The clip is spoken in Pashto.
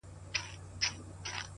ککرۍ يې دي رېبلي دې بدرنگو ککریو،